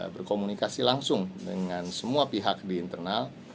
berkomunikasi langsung dengan semua pihak di internal